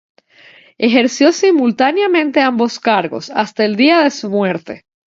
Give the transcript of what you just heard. Ejerció simultáneamente ambos cargos, hasta el día de su muerte.